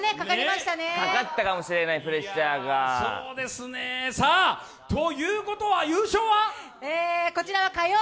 かかったかもしれない、プレッシャーが。ということは優勝は？